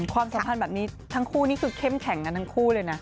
ความสัมพันธ์แบบนี้ทั้งคู่นี่คือเข้มแข็งกันทั้งคู่เลยนะ